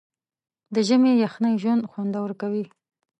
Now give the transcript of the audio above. د ژمي یخنۍ ژوند خوندور کوي.